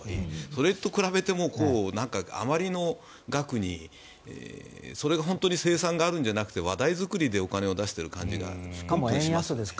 それと比べても、あまりの額にそれが本当に精算があるんじゃなくて話題作りでお金を出している感じがします。